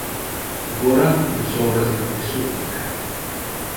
Горан им се обрати на присутните.